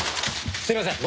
すいません。